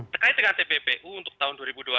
terkait dengan tppu untuk tahun dua ribu dua puluh